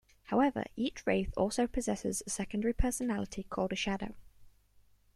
However, each Wraith also possesses a secondary personality called a Shadow.